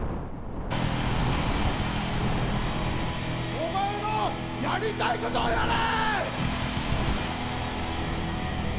お前のやりたいことをやれ！